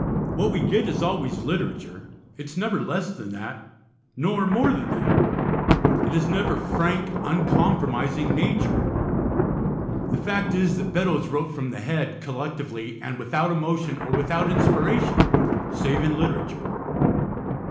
What we get is always literature; it is never less than that, nor more than that. It is never frank, uncompromising nature. The fact is, that Beddoes wrote from the head, collectively, and without emotion, or without inspiration, save in literature.